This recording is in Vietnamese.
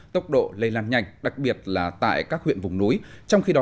tốc độ lây lan nhanh đặc biệt là tại các huyện vùng núi trong khi đó